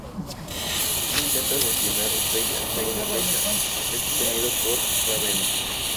Él intenta asesinar Freya con una flecha, pero es detenido por Ravenna.